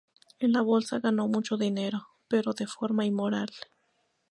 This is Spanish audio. En la Bolsa ganó mucho dinero, pero de forma inmoral.